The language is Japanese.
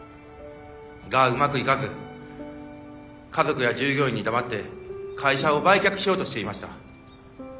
がうまくいかず家族や従業員に黙って会社を売却しようとしていました。